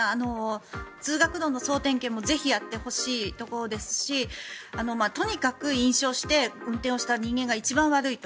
通学路の総点検もぜひやってほしいところですしとにかく飲酒をして運転をした人間が一番悪いと。